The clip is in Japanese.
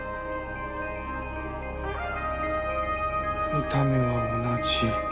見た目は同じ。